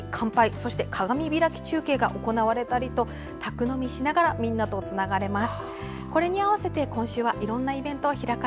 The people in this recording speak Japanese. そして鏡開き中継が行われたりと宅飲みしながらみんなとつながれます。